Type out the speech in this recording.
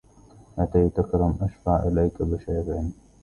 أتيتك لم أشفع إليك بشافع